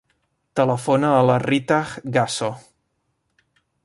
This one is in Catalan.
Telefona a la Ritaj Gasso.